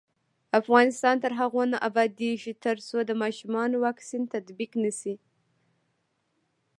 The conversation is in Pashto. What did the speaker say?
افغانستان تر هغو نه ابادیږي، ترڅو د ماشومانو واکسین تطبیق نشي.